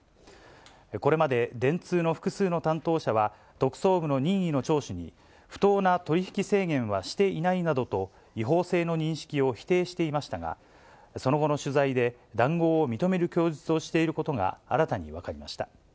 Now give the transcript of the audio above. これまで電通の複数の担当者は、特捜部の任意の聴取に、不当な取り引き制限はしていないなどと、違法性の認識を否定していましたが、その後の取材で、談合を認める供述をしていることが新たに分かりました。